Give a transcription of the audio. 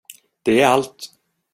Det är allt!